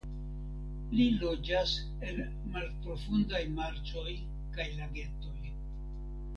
Li loĝas en malprofundaj marĉoj kaj lagetoj.